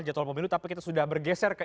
jadwal pemilu tapi kita sudah bergeser ke